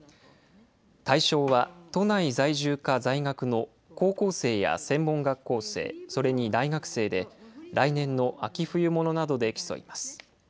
対象は、都内在住か在学の高校生や専門学校生、それに大学生で、来年の秋冬ものなどで競います。